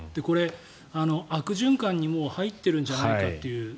これは、悪循環に入ってるんじゃないかという。